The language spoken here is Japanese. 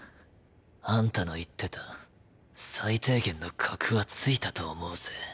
あんたの言ってた最低限の格はついたと思うぜ。